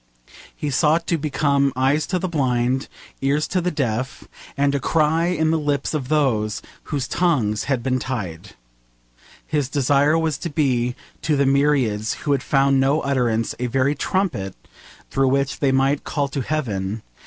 He sought to become eyes to the blind, ears to the deaf, and a cry in the lips of those whose tongues had been tied. His desire was to be to the myriads who had found no utterance a very trumpet through which they might call to heaven.